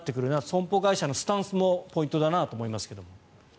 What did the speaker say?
損保会社のスタンスもポイントだなと思いますけど。